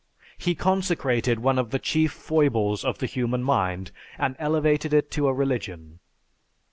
He consecrated one of the chief foibles of the human mind, and elevated it to a religion."